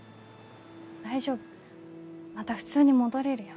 大丈夫また普通に戻れるよ。